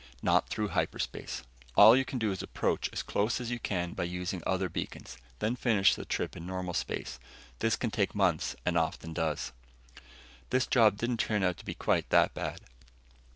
Not through hyperspace. All you can do is approach as close as you can by using other beacons, then finish the trip in normal space. This can take months, and often does. This job didn't turn out to be quite that bad.